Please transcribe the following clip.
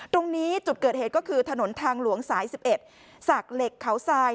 ตรงนี้จุดเกิดเหตุก็คือถนนทางหลวงสาย๑๑สากเหล็กเขาทราย